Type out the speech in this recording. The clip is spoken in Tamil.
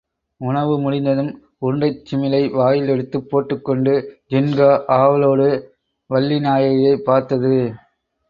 உணவு முடிந்ததும் உருண்டைச் சிமிழை வாயில் எடுத்துப் போட்டுக்கொண்டு, ஜின்கா ஆவலோடு வள்ளி நாயகியைப் பார்த்தது.